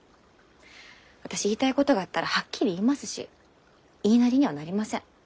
私言いたいことがあったらはっきり言いますし言いなりにはなりません。